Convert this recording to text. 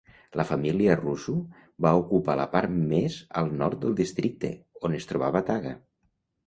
La família Rusu va ocupar la part més al nord del districte, on es trobava Taga.